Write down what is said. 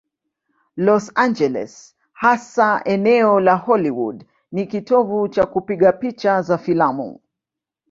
Los Angeles, hasa eneo la Hollywood, ni kitovu cha kupiga picha za filamu.